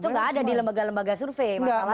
itu nggak ada di lembaga lembaga survei masalahnya